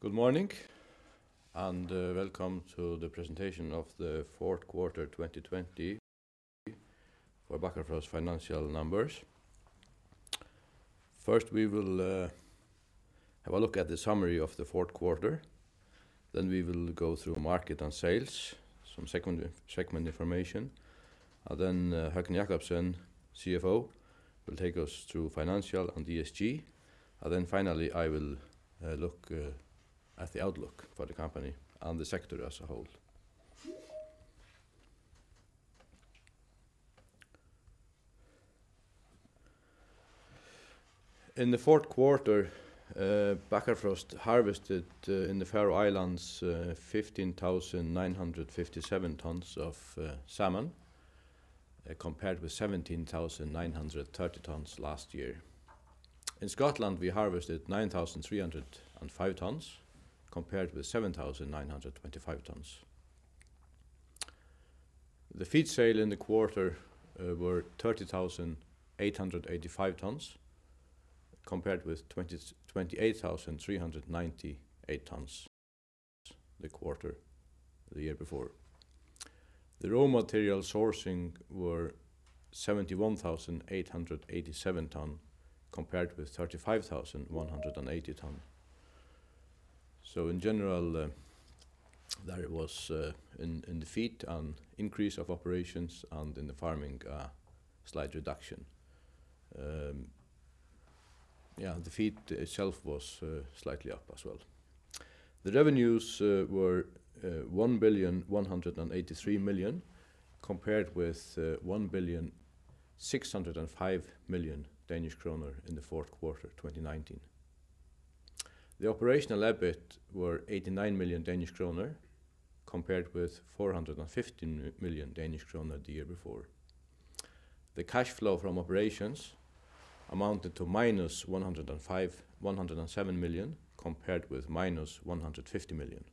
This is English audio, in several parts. Good morning, and welcome to the presentation of the fourth quarter 2020 for Bakkafrost financial numbers. First, we will have a look at the summary of the fourth quarter, then we will go through market and sales, some segment information, and then Høgni Jakobsen, CFO, will take us through financial and ESG. Finally, I will look at the outlook for the company and the sector as a whole. In the fourth quarter, Bakkafrost harvested in the Faroe Islands 15,957 tons of salmon, compared with 17,930 tons last year. In Scotland, we harvested 9,305 tons compared with 7,925 tons. The feed sale in the quarter were 30,885 tons compared with 28,398 tons the quarter the year before. The raw material sourcing were 71,887 tons compared with 35,180 tons. In general, there was in the feed an increase of operations and in the farming a slight reduction. Yeah, the feed itself was slightly up as well. The revenues were 1,183,000,000 compared with 1,605,000,000 Danish kroner in the fourth quarter 2019. The operational EBIT were 89 million Danish kroner compared with 415 million Danish kroner the year before. The cash flow from operations amounted to -107 million compared with -150 million.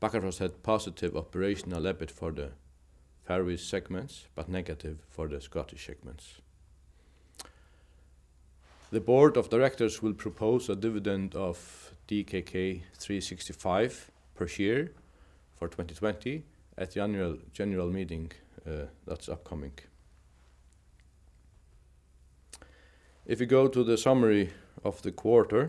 Bakkafrost had positive operational EBIT for the Faroese segments, but negative for the Scottish segments. The board of directors will propose a dividend of DKK 3.65 per share for 2020 at the annual general meeting that's upcoming. If you go to the summary of the quarter,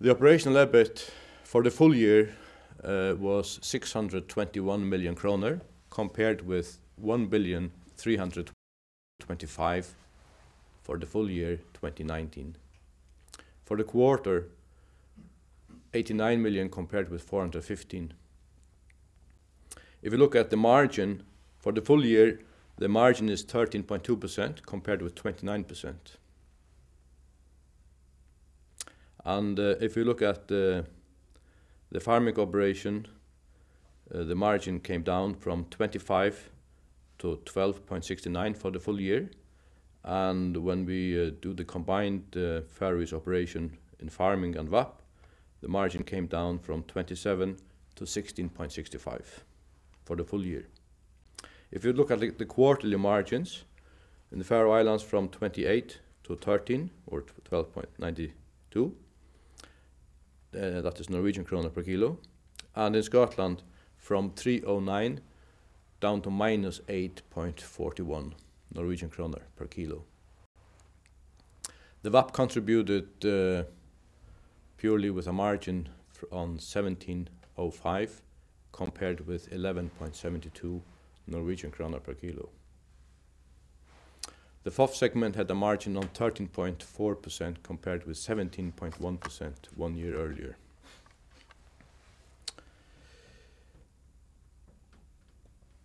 the operational EBIT for the full year was 621 million kroner compared with 1,325,000,000 for the full year 2019. For the quarter, 89 million compared with 415. If you look at the margin, for the full year, the margin is 13.2% compared with 29%. If you look at the farming operation, the margin came down from 25% to 12.69% for the full year. When we do the combined Faroese operation in farming and VAP, the margin came down from 27% to 16.65% for the full year. If you look at the quarterly margins, in the Faroe Islands from 28 to 13 or 12.92 per kg, and in Scotland from 3.09 down to -8.41 Norwegian kroner per kg. The VAP contributed purely with a margin on 17.05 per kg compared with 11.72 Norwegian kroner per kg. The FOF segment had a margin on 13.4% compared with 17.1% one year earlier.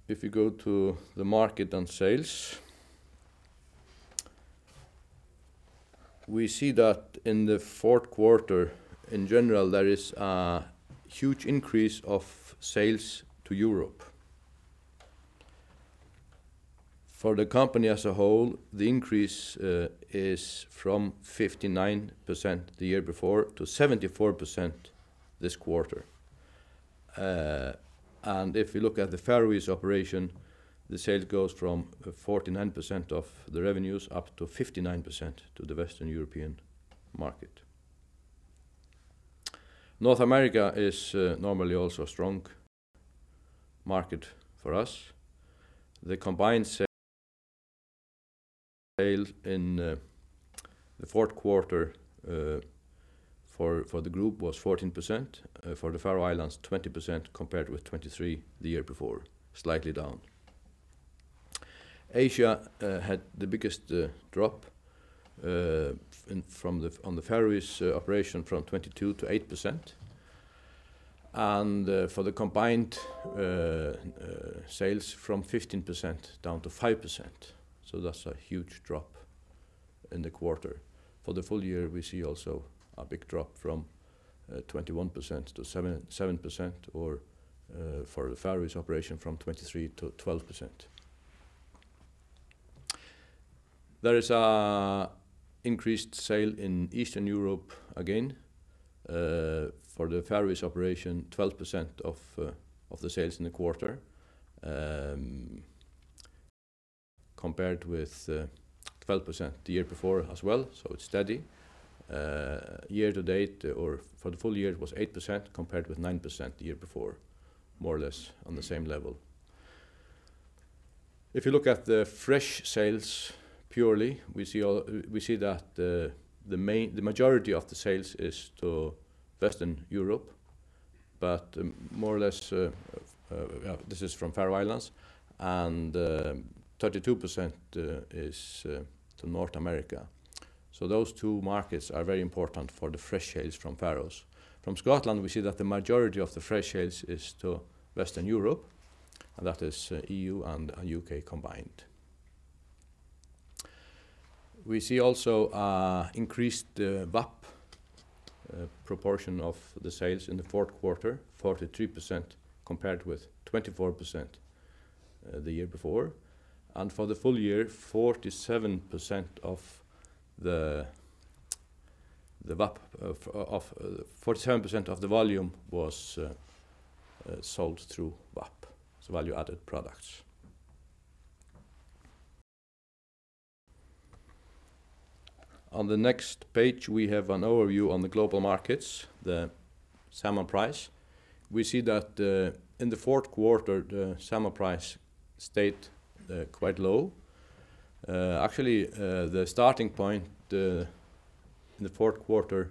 If you go to the market and sales, we see that in the fourth quarter, in general, there is a huge increase of sales to Europe. For the company as a whole, the increase is from 59% the year before to 74% this quarter. If you look at the Faroese operation, the sales goes from 49% of the revenues up to 59% to the Western European market. North America is normally also a strong market for us. The combined sale in the fourth quarter for the group was 14%, for the Faroe Islands, 20% compared with 23 the year before, slightly down. Asia had the biggest drop on the Faroese operation from 22% to 8%. For the combined sales from 15% down to 5%, that's a huge drop in the quarter. For the full year, we see also a big drop from 21% to 7%, or for the Faroese operation from 23% to 12%. There is increased sale in Eastern Europe again. For the Faroese operation, 12% of the sales in the quarter compared with 12% the year before as well, so it's steady. Year to date, or for the full year, it was 8% compared with 9% the year before, more or less on the same level. If you look at the fresh sales purely, we see that the majority of the sales is to Western Europe, but more or less this is from Faroe Islands, and 32% is to North America. Those two markets are very important for the fresh sales from Faroes. From Scotland, we see that the majority of the fresh sales is to Western Europe, and that is EU and U.K. combined. We see also increased VAP proportion of the sales in the fourth quarter, 43% compared with 24% the year before. For the full year, 47% of the volume was sold through VAP, so value-added products. On the next page, we have an overview on the global markets, the salmon price. We see that in the fourth quarter, the salmon price stayed quite low. Actually, the starting point in the fourth quarter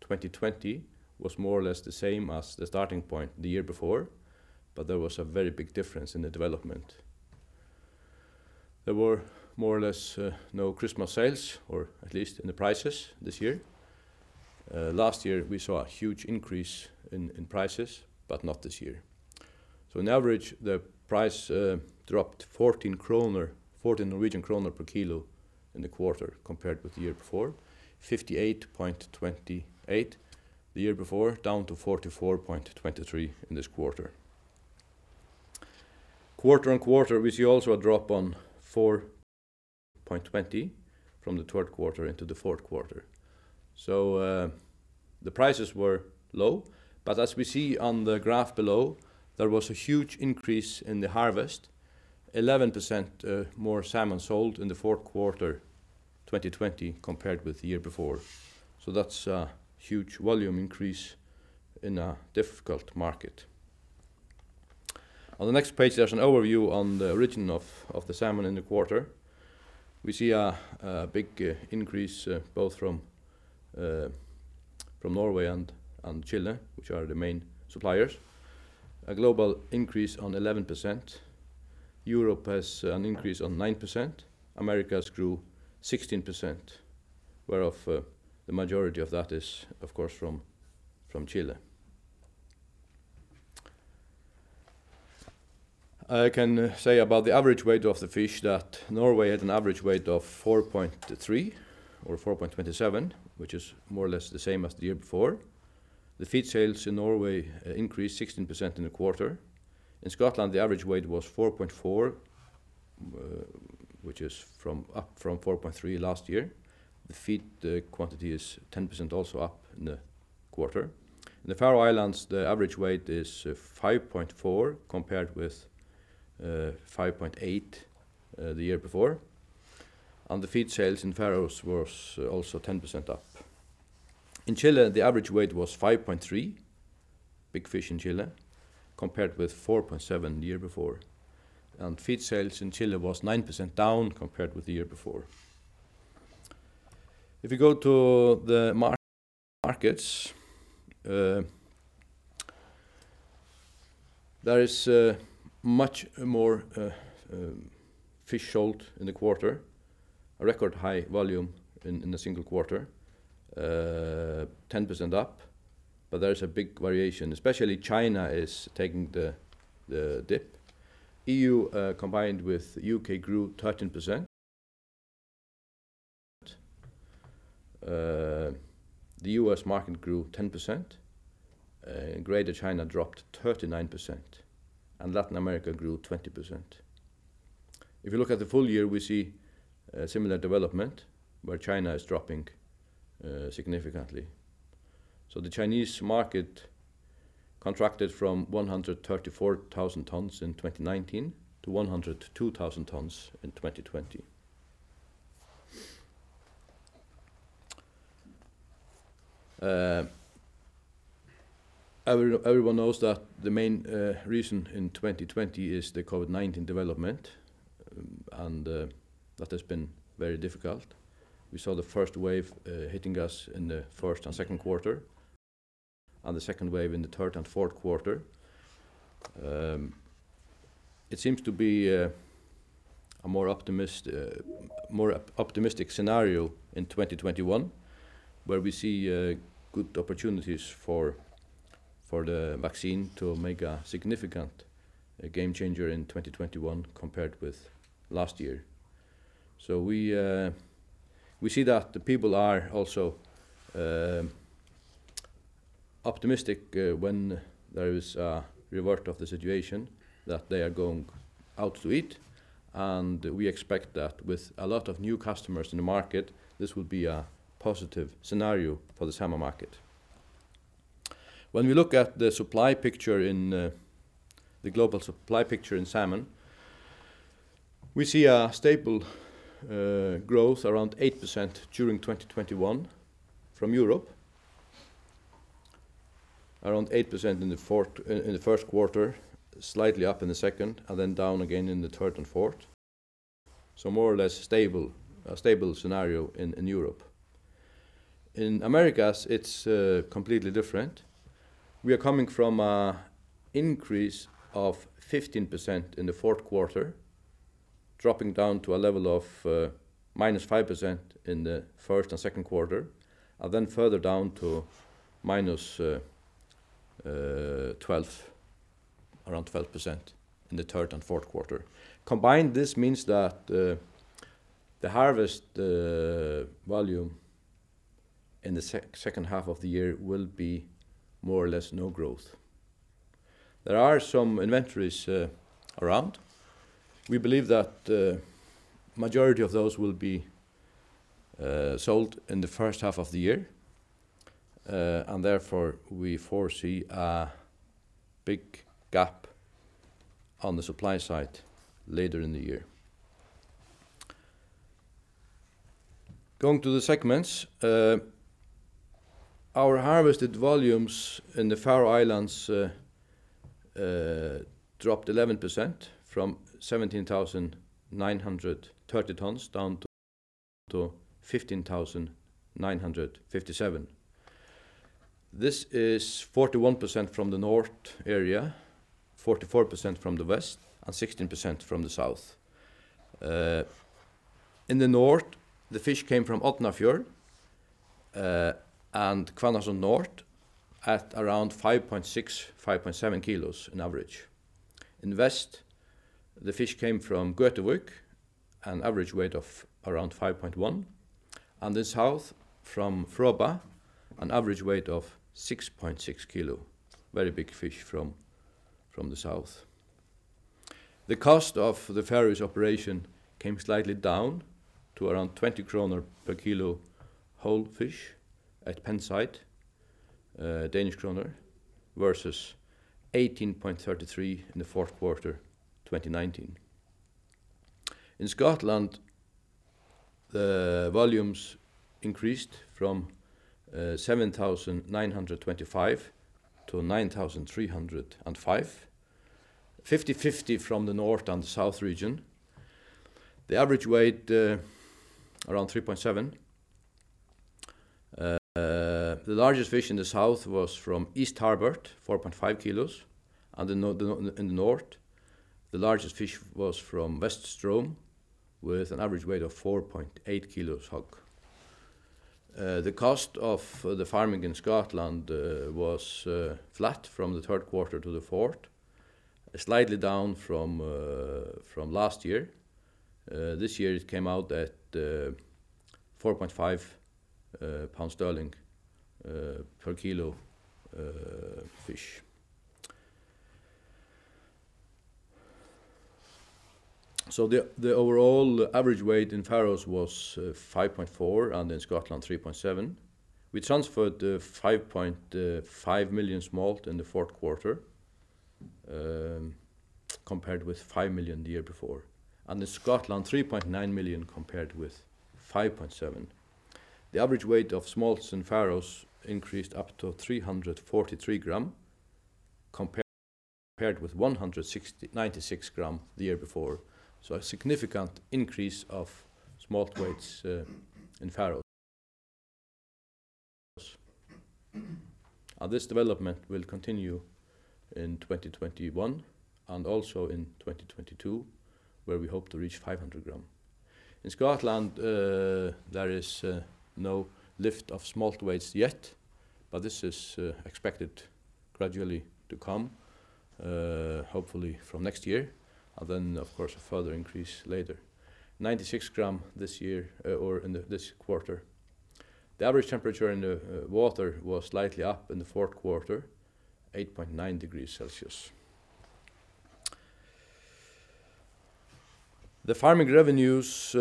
2020 was more or less the same as the starting point the year before, but there was a very big difference in the development. There were more or less no Christmas sales, or at least in the prices this year. Last year we saw a huge increase in prices, but not this year. On average, the price dropped 14 kroner per kg in the quarter compared with the year before, 58.28 the year before, down to 44.23 in this quarter. Quarter-on-quarter, we see also a drop on 4.20 from the third quarter into the fourth quarter. The prices were low, but as we see on the graph below, there was a huge increase in the harvest, 11% more salmon sold in the fourth quarter 2020 compared with the year before. That's a huge volume increase in a difficult market. On the next page, there's an overview on the origin of the salmon in the quarter. We see a big increase both from Norway and Chile, which are the main suppliers. A global increase on 11%. Europe has an increase on 9%. Americas grew 16%, whereof the majority of that is, of course, from Chile. I can say about the average weight of the fish that Norway had an average weight of 4.3 or 4.27, which is more or less the same as the year before. The feed sales in Norway increased 16% in the quarter. In Scotland, the average weight was 4.4, which is up from 4.3 last year. The feed quantity is 10% also up in the quarter. In the Faroe Islands, the average weight is 5.4 compared with 5.8 the year before. The feed sales in the Faroe Islands was also 10% up. In Chile, the average weight was 5.3, big fish in Chile, compared with 4.7 the year before. Feed sales in Chile was 9% down compared with the year before. If you go to the markets, there is much more fish sold in the quarter, a record high volume in a single quarter, 10% up, but there is a big variation, especially China is taking the dip. EU combined with U.K. grew 13%. The U.S. market grew 10%. Greater China dropped 39%, and Latin America grew 20%. If you look at the full year, we see a similar development where China is dropping significantly. The Chinese market contracted from 134,000 tons in 2019 to 102,000 tons in 2020. Everyone knows that the main reason in 2020 is the COVID-19 development, and that has been very difficult. We saw the first wave hitting us in the first and second quarter, and the second wave in the third and fourth quarter. It seems to be a more optimistic scenario in 2021, where we see good opportunities for the vaccine to make a significant game changer in 2021 compared with last year. We see that the people are also optimistic when there is a revert of the situation that they are going out to eat. We expect that with a lot of new customers in the market, this will be a positive scenario for the salmon market. When we look at the global supply picture in salmon, we see a stable growth around 8% during 2021 from Europe. Around 8% in the first quarter, slightly up in the second, and then down again in the third and fourth. More or less a stable scenario in Europe. In Americas, it's completely different. We are coming from an increase of 15% in the fourth quarter, dropping down to a level of minus 5% in the first and second quarter, and then further down to around 12% in the third and fourth quarter. Combined, this means that the harvest volume in the second half of the year will be more or less no growth. There are some inventories around. We believe that the majority of those will be sold in the first half of the year. Therefore, we foresee a big gap on the supply side later in the year. Going to the segments, our harvested volumes in the Faroe Islands dropped 11%, from 17,930 tons down to 15,957 tons. This is 41% from the north area, 44% from the west, and 16% from the south. In the north, the fish came from Árnafjørður and Hvannasund norður at around 5.6, 5.7 kg on average. In west, the fish came from Gøtuvík, an average weight of around 5.1 kg, and in south from Fróðá, an average weight of 6.6 kg. Very big fish from the south. The cost of the Faroese operation came slightly down to around 20 kroner per kg whole fish at pen site, Danish kroner, versus 18.33 in the fourth quarter 2019. In Scotland, the volumes increased from 7,925 to 9,305, 50/50 from the north and south region. The average weight, around 3.7 kg. The largest fish in the south was from East Tarbert, 4.5 kg, and in the north, the largest fish was from West Strone, with an average weight of 4.8 kg HOG. The cost of the farming in Scotland was flat from the third quarter to the fourth, slightly down from last year. This year it came out at 4.5 pounds per kg fish. The overall average weight in Faroes was 5.4 and in Scotland 3.7. We transferred 5.5 million smolt in the fourth quarter, compared with 5 million the year before, and in Scotland, 3.9 million compared with 5.7. The average weight of smolts in Faroes increased up to 343 g, compared with 196 g the year before, so a significant increase of smolt weights in Faroes. This development will continue in 2021 and also in 2022, where we hope to reach 500 g. In Scotland, there is no lift of smolt weights yet, but this is expected gradually to come, hopefully from next year, and then, of course, a further increase later. 96 g this quarter. The average temperature in the water was slightly up in the fourth quarter, 8.9 degrees Celsius. The farming revenues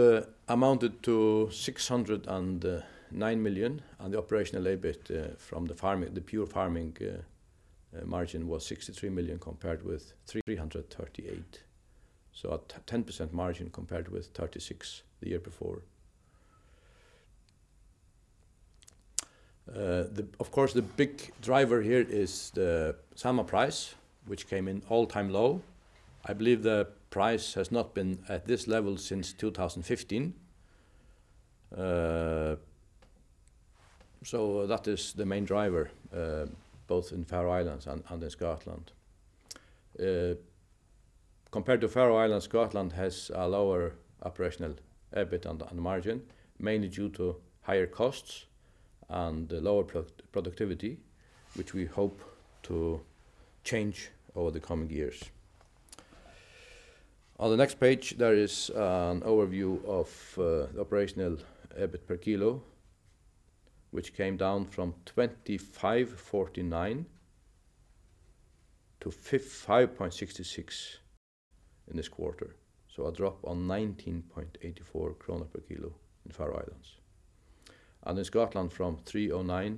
amounted to 609 million. The operational EBIT from the pure farming margin was 63 million compared with 338. A 10% margin compared with 36% the year before. Of course, the big driver here is the salmon price, which came in all-time low. I believe the price has not been at this level since 2015. That is the main driver, both in Faroe Islands and in Scotland. Compared to Faroe Islands, Scotland has a lower operational EBIT and margin, mainly due to higher costs and lower productivity, which we hope to change over the coming years. On the next page, there is an overview of operational EBIT per kg, which came down from 25.49 to 5.66 in this quarter, so a drop on 19.84 krone per kg in Faroe Islands. In Scotland, from 3.09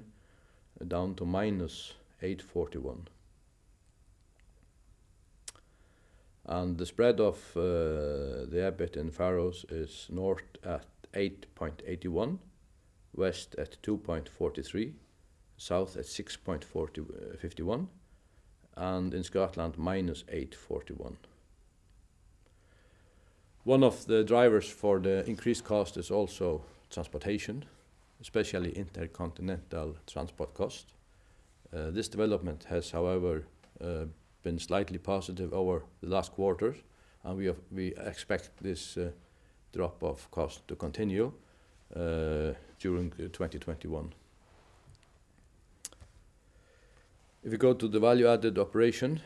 down to -8.41. The spread of the EBIT in Faroes is north at 8.81, west at 2.43, south at 6.51, and in Scotland, -8.41. One of the drivers for the increased cost is also transportation, especially intercontinental transport cost. This development has, however, been slightly positive over the last quarter, and we expect this drop of cost to continue during 2021. If you go to the value-added operation,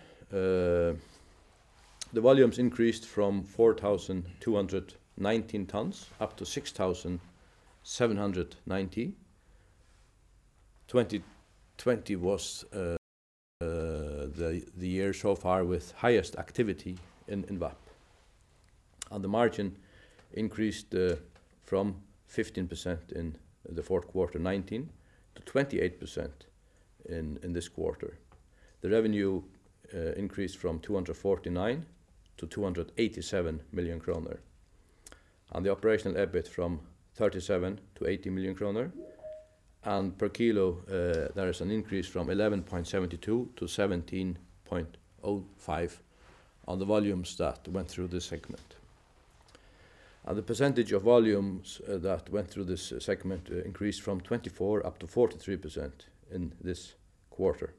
the volumes increased from 4,219 tons up to 6,790. 2020 was the year so far with highest activity in VAP. The margin increased from 15% in the fourth quarter 2019 to 28% in this quarter. The revenue increased from 249 million to 287 million kroner, and the operational EBIT from 37 million to 80 million kroner. Per kilo, there is an increase from 11.72 to 17.05 on the volumes that went through this segment. The percentage of volumes that went through this segment increased from 24% up to 43% in this quarter.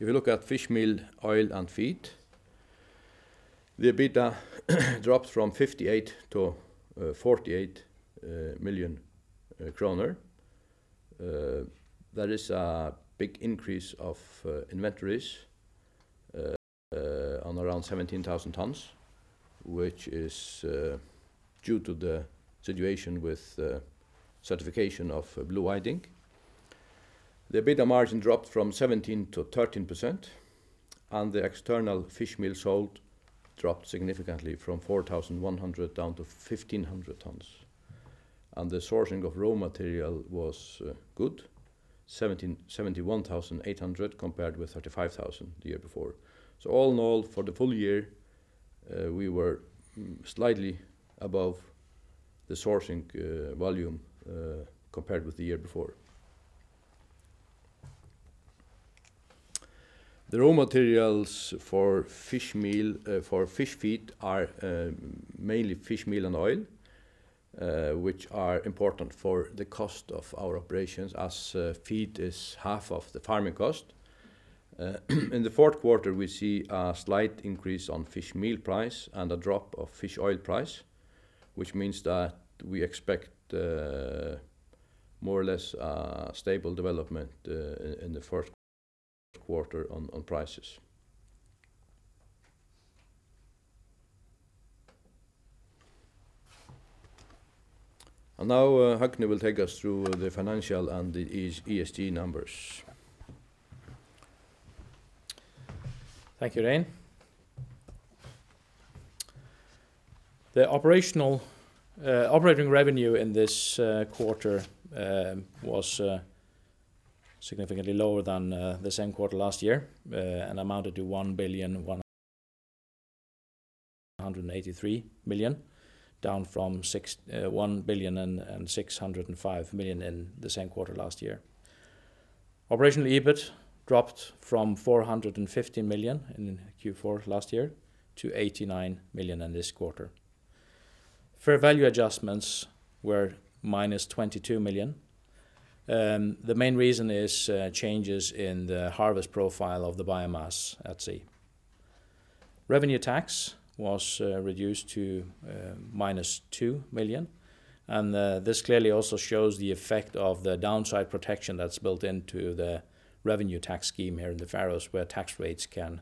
If you look at Fishmeal, Oil, and Feed, the EBITDA dropped from 58 million to 48 million kroner. There is a big increase of inventories on around 17,000 tons, which is due to the situation with certification of blue whiting. The EBITDA margin dropped from 17% to 13%, and the external fish meal sold dropped significantly from 4,100 down to 1,500 tons. The sourcing of raw material was good, 71,800 compared with 35,000 the year before. All in all, for the full year, we were slightly above the sourcing volume compared with the year before. The raw materials for fish feed are mainly fish meal and fish oil, which are important for the cost of our operations, as feed is half of the farming cost. In the fourth quarter, we see a slight increase on fish meal price and a drop of fish oil price, which means that we expect more or less stable development in the first quarter on prices. Now Høgni will take us through the financial and the ESG numbers. Thank you, Regin. The operating revenue in this quarter was significantly lower than the same quarter last year and amounted to 1,183 million, down from 1,605 million in the same quarter last year. Operational EBIT dropped from 415 million in Q4 last year to 89 million in this quarter. Fair value adjustments were -22 million. The main reason is changes in the harvest profile of the biomass at sea. Revenue tax was reduced to -2 million, and this clearly also shows the effect of the downside protection that is built into the revenue tax scheme here in the Faroes, where tax rates can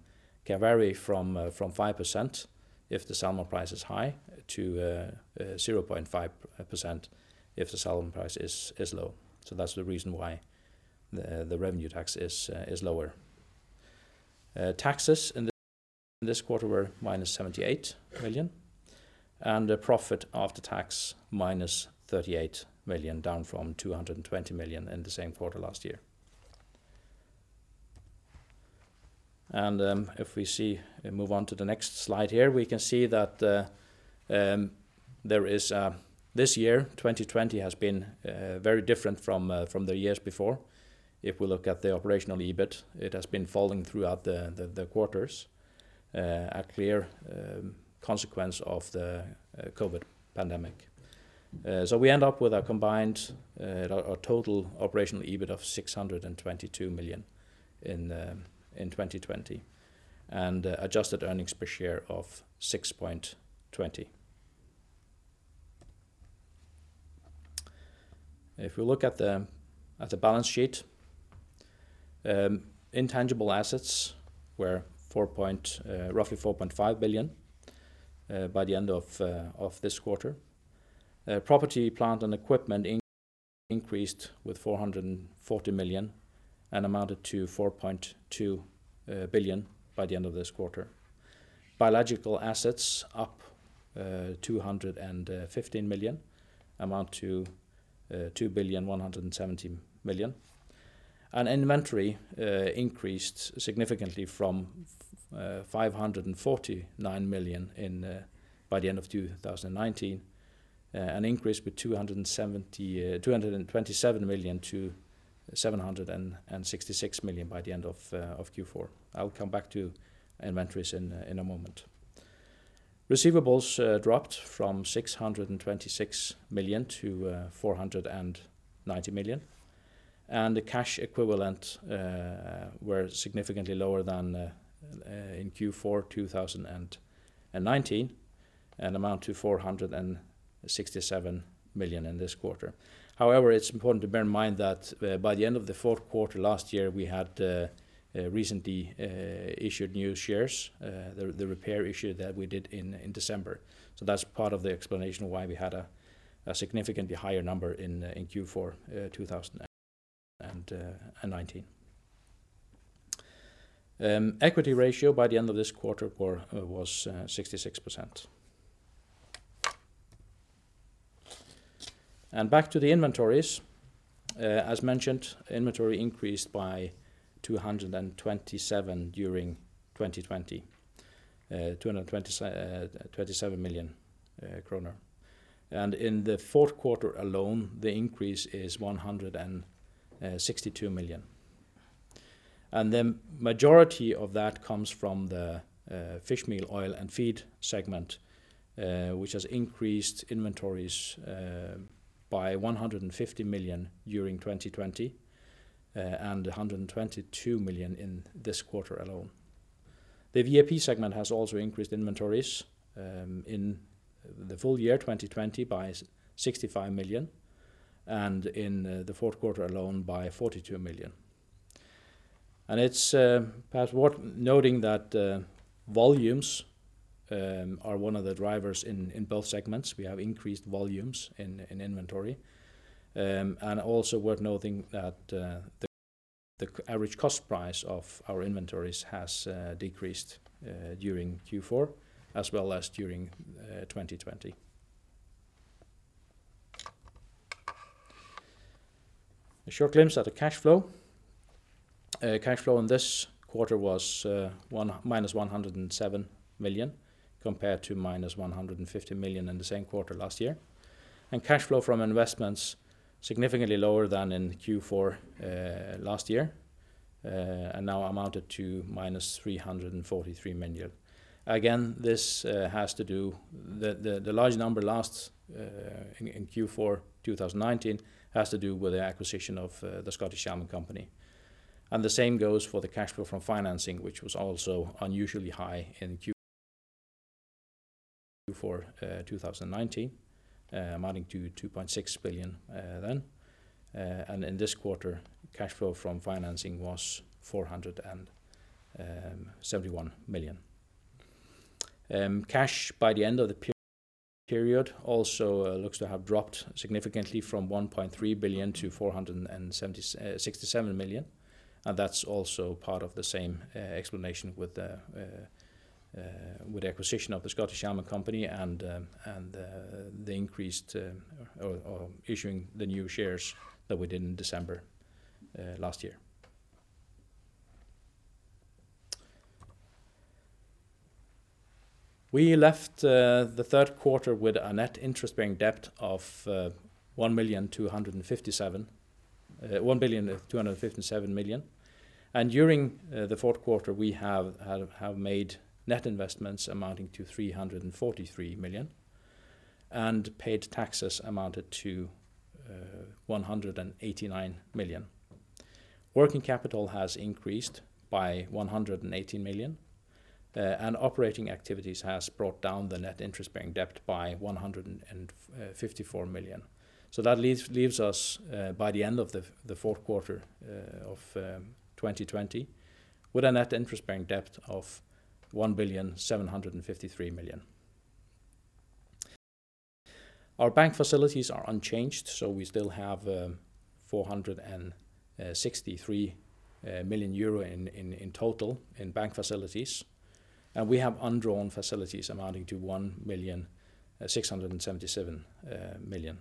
vary from 5%, if the salmon price is high, to 0.5%, if the salmon price is low. That is the reason why the revenue tax is lower. Taxes in this quarter were -78 million, the profit after tax -38 million, down from 220 million in the same quarter last year. If we move on to the next slide here, we can see that this year, 2020, has been very different from the years before. If we look at the operational EBIT, it has been falling throughout the quarters, a clear consequence of the COVID pandemic. We end up with a total operational EBIT of 622 million in 2020 and adjusted earnings per share of 6.20. If we look at the balance sheet, intangible assets were roughly 4.5 billion by the end of this quarter. Property, plant, and equipment increased with 440 million and amounted to 4.2 billion by the end of this quarter. Biological assets up 215 million, amount to 2.17 billion. Inventory increased significantly from 549 million by the end of 2019, an increase with 227 million to 766 million by the end of Q4. I'll come back to inventories in a moment. Receivables dropped from 626 million to 490 million. The cash equivalent were significantly lower than in Q4 2019, and amount to 467 million in this quarter. However, it's important to bear in mind that by the end of the fourth quarter last year, we had recently issued new shares. The repair issue that we did in December. That's part of the explanation why we had a significantly higher number in Q4 2019. Equity ratio by the end of this quarter was 66%. Back to the inventories. As mentioned, inventory increased by 227 during 2020, 227 million kroner. In the fourth quarter alone, the increase is 162 million. The majority of that comes from the Fishmeal, Oil, and Feed segment, which has increased inventories by 150 million during 2020, and 122 million in this quarter alone. The VAP segment has also increased inventories in the full year 2020 by 65 million, and in the fourth quarter alone by 42 million. It's perhaps worth noting that volumes are one of the drivers in both segments. We have increased volumes in inventory. Also worth noting that the average cost price of our inventories has decreased during Q4 as well as during 2020. A short glimpse at the cash flow. Cash flow in this quarter was minus 107 million, compared to minus 150 million in the same quarter last year. Cash flow from investments significantly lower than in Q4 last year, and now amounted to minus 343 million. Again, the large number last in Q4 2019 has to do with the acquisition of the Scottish Salmon Company. The same goes for the cash flow from financing, which was also unusually high in Q4 2019, amounting to 2.6 billion then. In this quarter, cash flow from financing was 471 million. Cash by the end of the period also looks to have dropped significantly from 1.3 billion to 467 million, and that's also part of the same explanation with the acquisition of the Scottish Salmon Company and issuing the new shares that we did in December last year. We left the third quarter with a net interest-bearing debt of 1,257,000,000. During the fourth quarter, we have made net investments amounting to 343 million and paid taxes amounted to 189 million. Working capital has increased by 118 million, and operating activities has brought down the net interest-bearing debt by 154 million. That leaves us, by the end of the fourth quarter of 2020, with a net interest-bearing debt of 1,753,000,000. Our bank facilities are unchanged, so we still have 463 million euro in total in bank facilities, and we have undrawn facilities amounting to 1,677,000,000.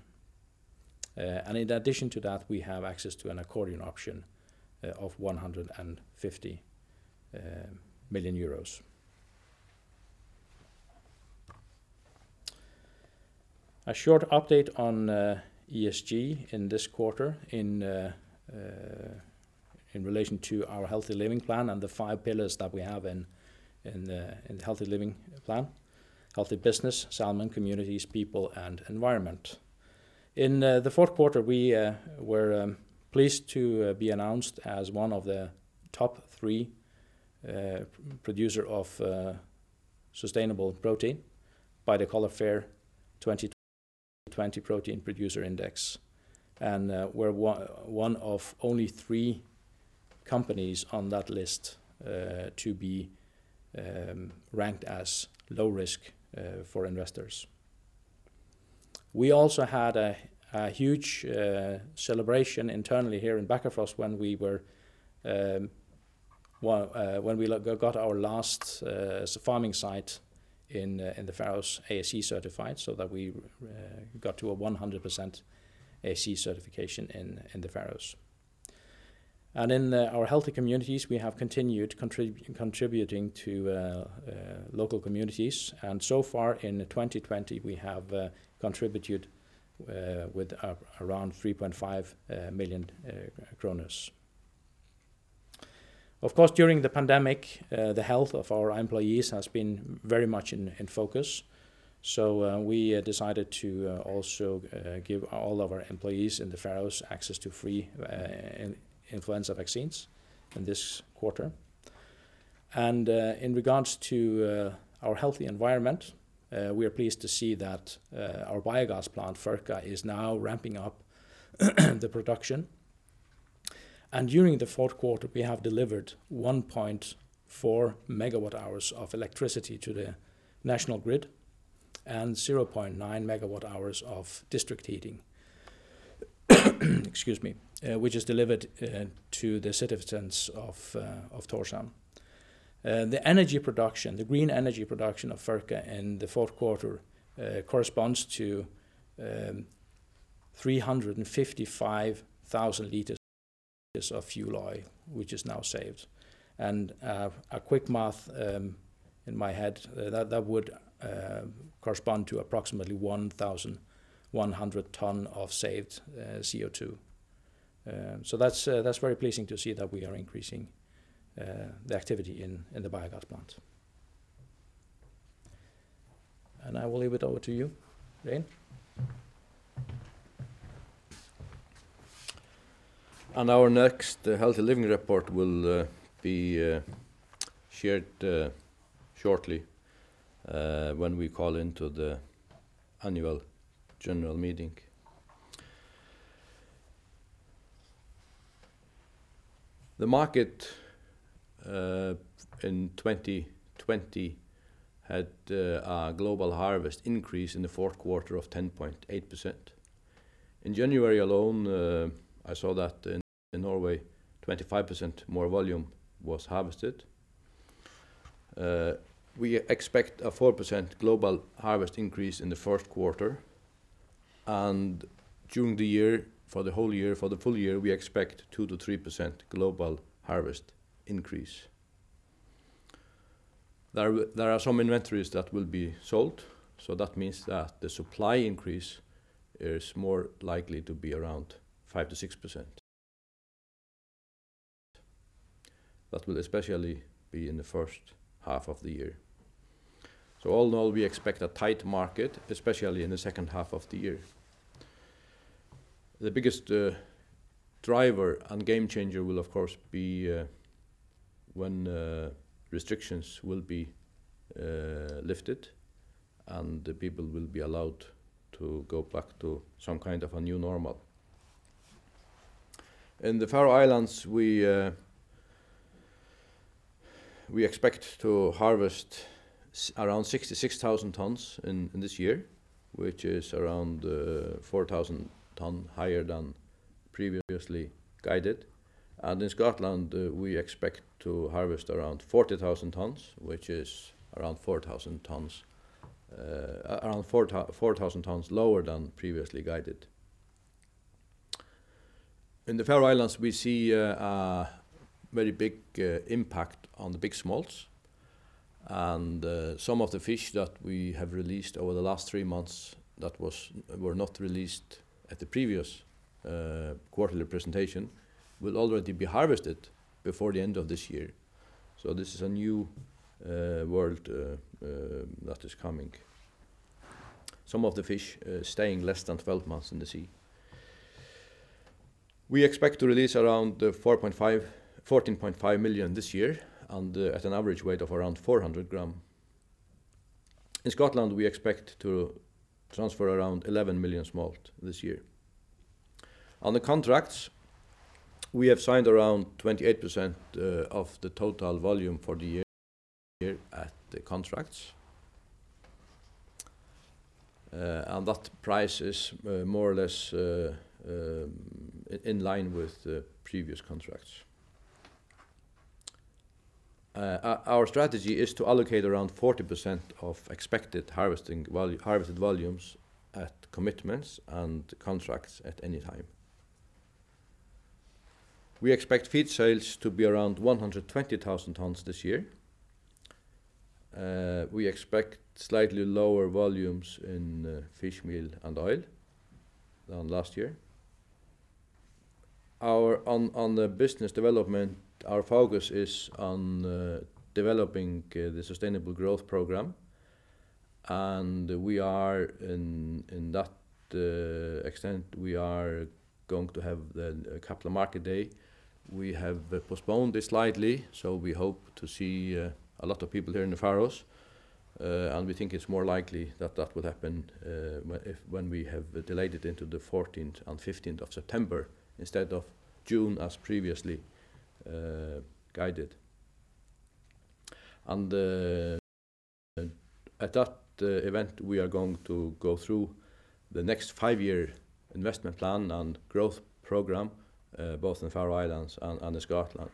In addition to that, we have access to an accordion option of 150 million euros. A short update on ESG in this quarter in relation to our Healthy Living Plan and the five pillars that we have in the Healthy Living Plan: healthy business, salmon, communities, people, and environment. In the fourth quarter, we were pleased to be announced as one of the top three producer of sustainable protein by the Coller FAIRR Protein Producer Index, we're one of only three companies on that list to be ranked as low risk for investors. We also had a huge celebration internally here in Bakkafrost when we got our last farming site in the Faroes ASC certified, so that we got to a 100% ASC certification in the Faroes. In our healthy communities, we have continued contributing to local communities, so far in 2020, we have contributed with around 3.5 million kroner. Of course, during the pandemic, the health of our employees has been very much in focus. We decided to also give all of our employees in the Faroes access to free influenza vaccines in this quarter. In regards to our healthy environment, we are pleased to see that our biogas plant, FÖRKA, is now ramping up the production. During the fourth quarter, we have delivered 1.4 MWh of electricity to the national grid and 0.9 MWh of district heating excuse me, which is delivered to the citizens of Tórshavn. The green energy production of FÖRKA in the fourth quarter corresponds to 355,000 L of fuel oil, which is now saved. A quick math in my head, that would correspond to approximately 1,100 ton of saved CO2. That's very pleasing to see that we are increasing the activity in the biogas plant. I will leave it over to you, Regin. Our next Healthy Living report will be shared shortly when we call into the annual general meeting. The market in 2020 had a global harvest increase in the fourth quarter of 10.8%. In January alone, I saw that in Norway, 25% more volume was harvested. We expect a 4% global harvest increase in the first quarter, and during the year, for the whole year, for the full year, we expect 2%-3% global harvest increase. There are some inventories that will be sold, so that means that the supply increase is more likely to be around 5%-6%. That will especially be in the first half of the year. All in all, we expect a tight market, especially in the second half of the year. The biggest driver and game changer will of course be when restrictions will be lifted and the people will be allowed to go back to some kind of a new normal. In the Faroe Islands, we expect to harvest around 66,000 tons in this year, which is around 4,000 tons higher than previously guided. In Scotland, we expect to harvest around 40,000 tons, which is around 4,000 tons lower than previously guided. In the Faroe Islands, we see a very big impact on the big smolts and some of the fish that we have released over the last three months that were not released at the previous quarterly presentation will already be harvested before the end of this year. This is a new world that is coming. Some of the fish staying less than 12 months in the sea. We expect to release around 14.5 million this year and at an average weight of around 400 g. In Scotland, we expect to transfer around 11 million smolt this year. On the contracts, we have signed around 28% of the total volume for the year at the contracts. That price is more or less in line with previous contracts. Our strategy is to allocate around 40% of expected harvested volumes at commitments and contracts at any time. We expect feed sales to be around 120,000 tons this year. We expect slightly lower volumes in fish meal and fish oil than last year. On the business development, our focus is on developing the sustainable growth program, and we are in that extent we are going to have the Capital Markets Day. We have postponed this slightly, so we hope to see a lot of people here in the Faroes, and we think it's more likely that that would happen when we have delayed it into the 14th and 15th of September, instead of June as previously guided. At that event, we are going to go through the next five-year investment plan and growth program, both in the Faroe Islands and in Scotland.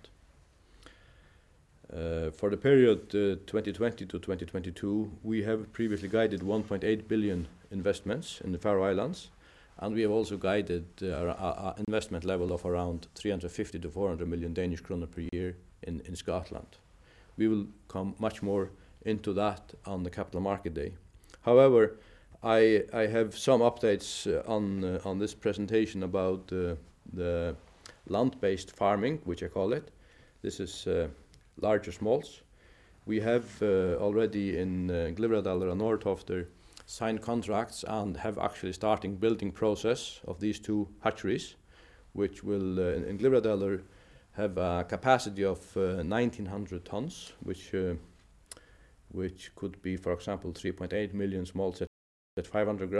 For the period 2020 to 2022, we have previously guided 1.8 billion investments in the Faroe Islands, and we have also guided our investment level of around 350 million-400 million Danish kroner per year in Scotland. We will come much more into that on the Capital Markets Day. However, I have some updates on this presentation about the land-based farming, which I call it. This is larger smolts. We have already, in Glyvradalur and Norðtoftir, signed contracts and have actually starting building process of these two hatcheries, which will, in Glyvradalur, have a capacity of 1,900 tons, which could be, for example, 3.8 million smolts at 500 g,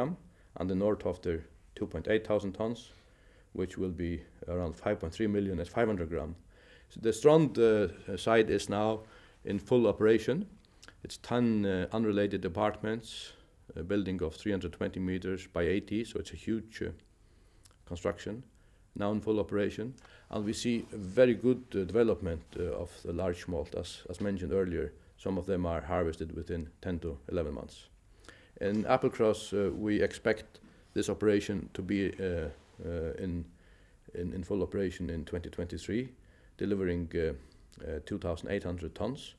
and the Norðtoftir 2,800 tons, which will be around 5.3 million at 500 g. The Strond site is now in full operation. It's 10 unrelated departments, a building of 320 meters by 80, so it's a huge construction now in full operation, and we see very good development of the large smolt. As mentioned earlier, some of them are harvested within 10 to 11 months. In Applecross, we expect this operation to be in full operation in 2023, delivering 2,800 tons,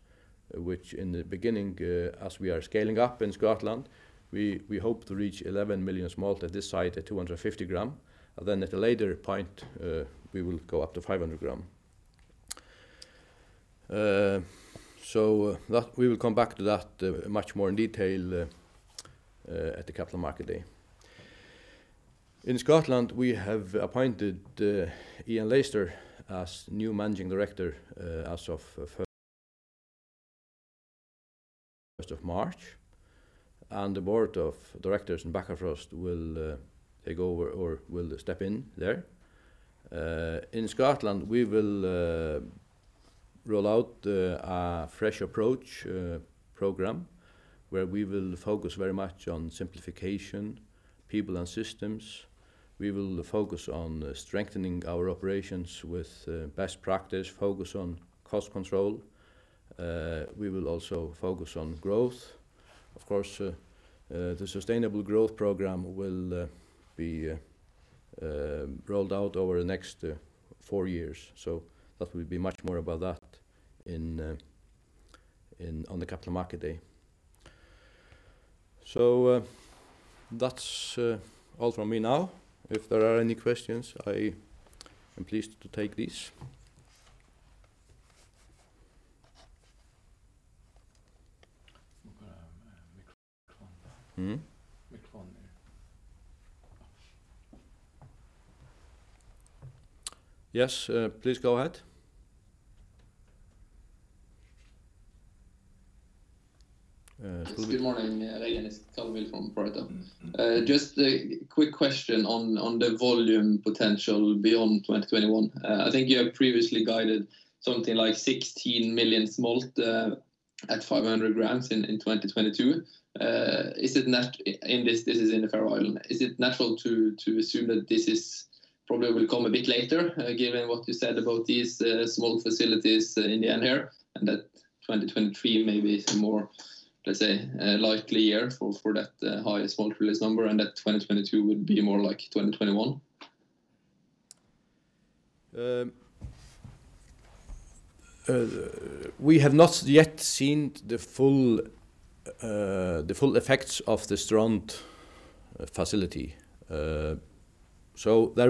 which in the beginning, as we are scaling up in Scotland, we hope to reach 11 million smolt at this site at 250 g. At a later point, we will go up to 500 g. That we will come back to that much more in detail at the Capital Markets Day. In Scotland, we have appointed Ian Laister as new managing director as of 1st of March, and the board of directors in Bakkafrost will take over or will step in there. In Scotland, we will roll out a Fresh Approach Program where we will focus very much on simplification, people, and systems. We will focus on strengthening our operations with best practice, focus on cost control. We will also focus on growth. Of course, the sustainable growth program will be rolled out over the next four years, that will be much more about that on the Capital Markets Day. That's all from me now. If there are any questions, I am pleased to take these. Yes, please go ahead. Hlynur? Yes. Good morning. Hlynur from Pareto Securities. Just a quick question on the volume potential beyond 2021. I think you have previously guided something like 16 million smolt at 500 g in 2022. This is in the Faroe Islands. Is it natural to assume that this is probably will come a bit later, given what you said about these smolt facilities in the end here, and that 2023 may be more, let's say, a likely year for that highest smolt release number and that 2022 would be more like 2021? We have not yet seen the full effects of the Strond facility. There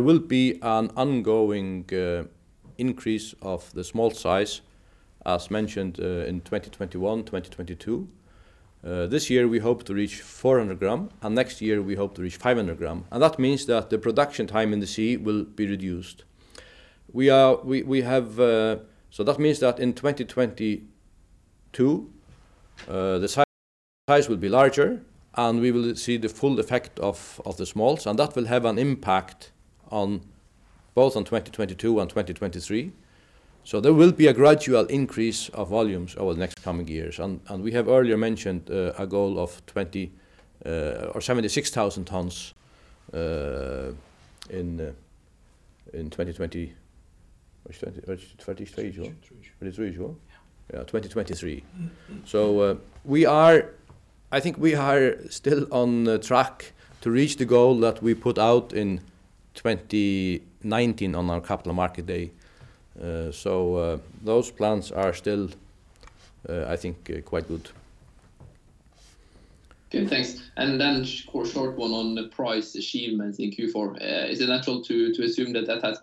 will be an ongoing increase of the smolt size, as mentioned, in 2021, 2022. This year, we hope to reach 400 g, and next year, we hope to reach 500 g, and that means that the production time in the sea will be reduced. That means that in 2022, the size will be larger, and we will see the full effect of the smolts, and that will have an impact on both on 2022 and 2023. There will be a gradual increase of volumes over the next coming years, and we have earlier mentioned a goal of 76,000 tons in 2023. Is it 2023? 2023. 2023. Sure? Yeah. Yeah, 2023. I think we are still on track to reach the goal that we put out in 2019 on our Capital Markets Day. Those plans are still, I think, quite good. Okay, thanks. Short one on the price achievements in Q4. Is it natural to assume that has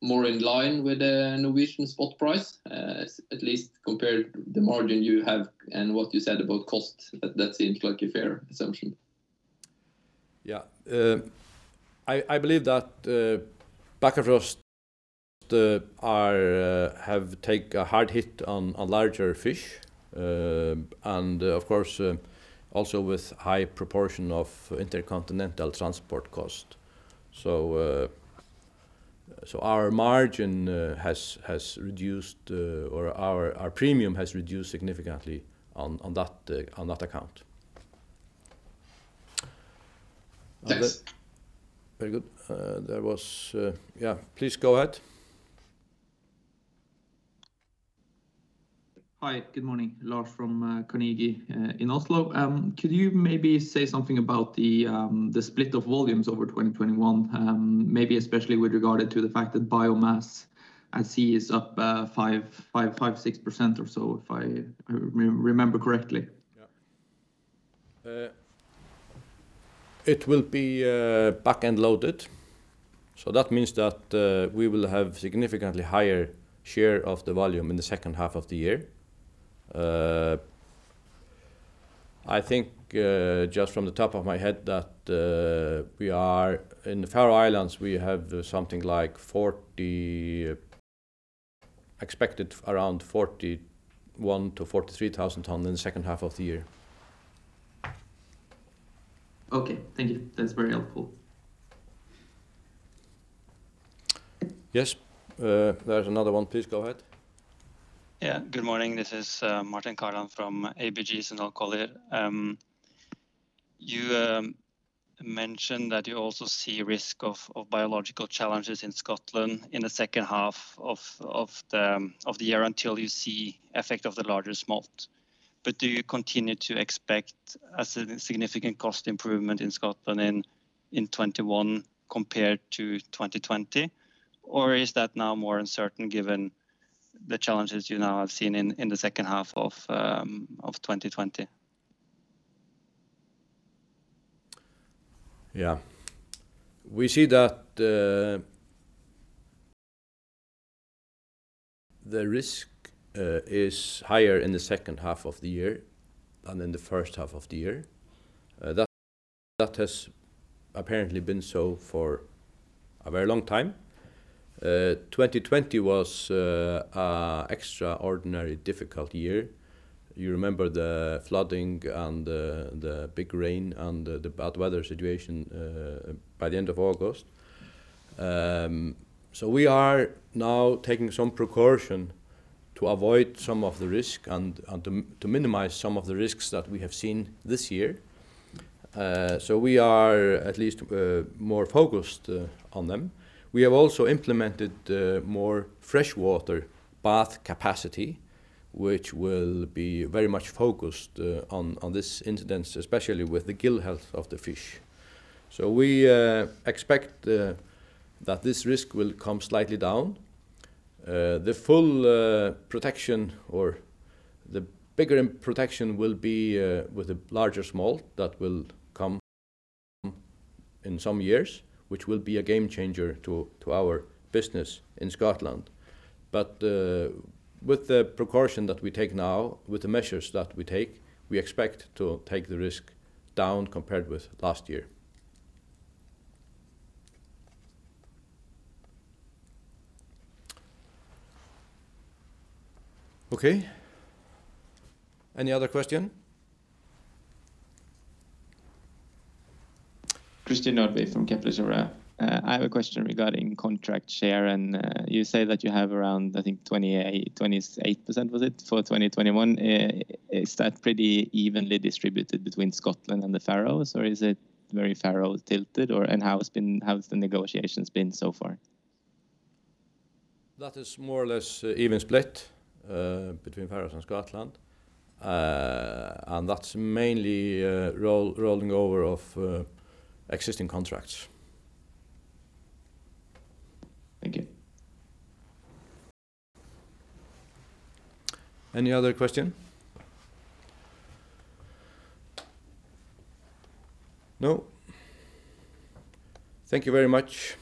been more in line with the Norwegian spot price, at least compared to the margin you have and what you said about cost? That seems like a fair assumption. Yeah. I believe that Bakkafrost have taken a hard hit on larger fish, and of course, also with high proportion of intercontinental transport cost. Our margin has reduced, or our premium has reduced significantly on that account. Yes. Very good. Yeah, please go ahead. Hi, good morning. Lars from Carnegie in Oslo. Could you maybe say something about the split of volumes over 2021, maybe especially with regard to the fact that biomass at sea is up 5%, 6% or so, if I remember correctly? Yeah. It will be back-end loaded. That means that we will have significantly higher share of the volume in the second half of the year. I think, just from the top of my head, that in the Faroe Islands, we have something like expected around 41,000 tons-43,000 tons in the second half of the year. Okay. Thank you. That is very helpful. Yes. There's another one. Please go ahead. Yeah, good morning. This is Martin Kaland from ABG Sundal Collier. You mentioned that you also see risk of biological challenges in Scotland in the second half of the year until you see effect of the larger smolt. Do you continue to expect a significant cost improvement in Scotland in 2021 compared to 2020? Is that now more uncertain given the challenges you now have seen in the second half of 2020? Yeah. We see that the risk is higher in the second half of the year than in the first half of the year. That has apparently been so for a very long time. 2020 was a extraordinarily difficult year. You remember the flooding and the big rain and the bad weather situation by the end of August. We are now taking some precaution to avoid some of the risk and to minimize some of the risks that we have seen this year. We are at least more focused on them. We have also implemented more freshwater bath capacity, which will be very much focused on this incidence, especially with the gill health of the fish. We expect that this risk will come slightly down. The full protection or the bigger protection will be with the larger smolt that will come in some years, which will be a game changer to our business in Scotland. With the precaution that we take now, with the measures that we take, we expect to take the risk down compared with last year. Okay. Any other question? Christian Nordby from Kepler Cheuvreux. I have a question regarding contract share. You say that you have around, I think, 28% was it, for 2021. Is that pretty evenly distributed between Scotland and the Faroes, or is it very Faroes tilted? How has the negotiations been so far? That is more or less even split between Faroes and Scotland. That's mainly rolling over of existing contracts. Thank you. Any other question? No. Thank you very much.